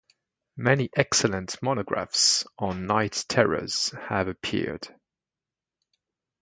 Many excellent monographs on night terrors have appeared.